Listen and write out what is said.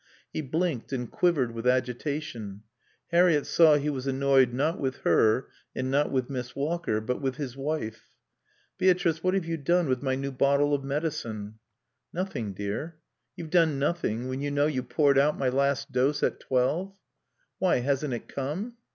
He blinked and quivered with agitation; Harriett saw he was annoyed, not with her, and not with Miss Walker, but with his wife. "Beatrice, what have you done with my new bottle of medicine?" "Nothing, dear." "You've done nothing, when you know you poured out my last dose at twelve?" "Why, hasn't it come?"